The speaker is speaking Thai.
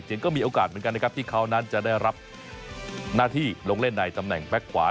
ก็มีโอกาสเหมือนกันนะครับที่เขานั้นจะได้รับหน้าที่ลงเล่นในตำแหน่งแก๊กขวา